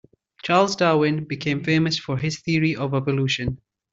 Charles Darwin became famous for his theory of evolution.